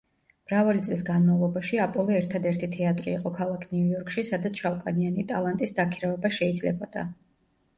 მრავალი წლის განმავლობაში აპოლო ერთადერთი თეატრი იყო ქალაქ ნიუ-იორკში, სადაც შავკანიანი ტალანტის დაქირავება შეიძლებოდა.